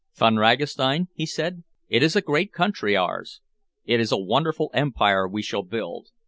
"Von Ragastein," he said, "it is a great country, ours. It is a wonderful empire we shall build.